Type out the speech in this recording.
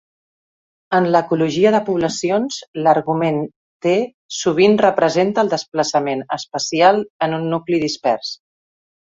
En l'ecologia de poblacions, l'argument "t" sovint representa el desplaçament espacial en un nucli dispers.